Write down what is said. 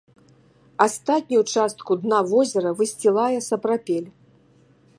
Астатнюю частку дна возера высцілае сапрапель.